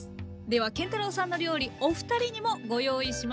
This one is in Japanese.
では建太郎さんの料理お二人にもご用意しました。